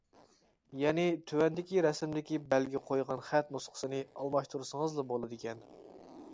يەنى تۆۋەندىكى رەسىمدىكى بەلگە قويغان خەت نۇسخىسىنى ئالماشتۇرسىڭىزلا بولىدىكەن.